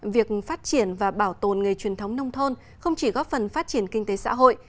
việc phát triển và bảo tồn nghề truyền thống nông thôn không chỉ góp phần phát triển kinh tế xã hội